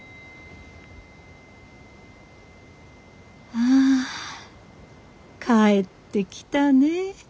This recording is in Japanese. ああ帰ってきたね。